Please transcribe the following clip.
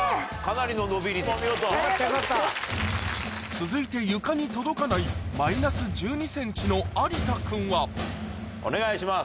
続いて床に届かないマイナス１２ｃｍの有田君はお願いします。